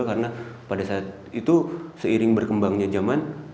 karena pada saat itu seiring berkembangnya zaman